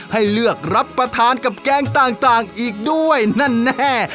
ให้เลือกรับประทานกับแกงต่างอีกด้วยแน่